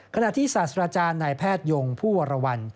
ขณะที่ศาสตราจารย์นายแพทยงผู้วรวรรณ